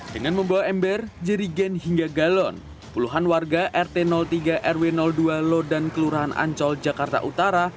dengan membawa ember jerigen hingga galon puluhan warga rt tiga rw dua lodan kelurahan ancol jakarta utara